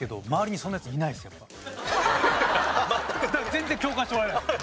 全然共感してもらえないです。